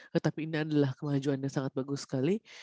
tetapi ini adalah kemajuannya sangat bagus sekali